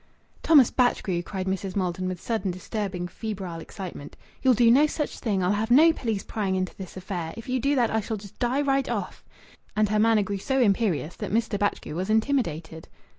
"Thomas Batchgrew!" cried Mrs. Maldon with sudden disturbing febrile excitement. "You'll do no such thing. I'll have no police prying into this affair. If you do that I shall just die right off." And her manner grew so imperious that Mr. Batchgrew was intimidated.